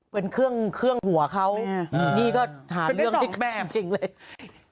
เป็นเครื่องหัวเขานี่ก็หาเรื่องที่แม่จริงเลย